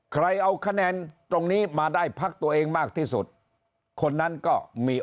ใครเอาคะแนนตรงนี้มาได้พักตัวเองมากที่สุดคนนั้นก็มี